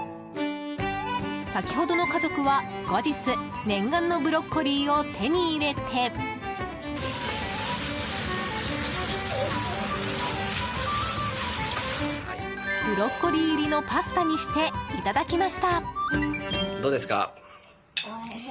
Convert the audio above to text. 先ほどの家族は後日念願のブロッコリーを手に入れてブロッコリー入りのパスタにしていただきました。